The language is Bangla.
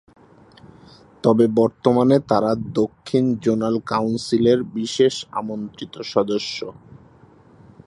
তবে বর্তমানে তারা দক্ষিণ জোনাল কাউন্সিলের বিশেষ আমন্ত্রিত সদস্য।